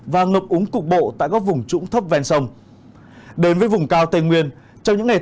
và ngập úng cục bộ tại các vùng trũng thấp ven sông đến với vùng cao tây nguyên trong những ngày tới